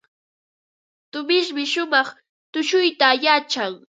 Tumishmi shumaq tushuyta yachan.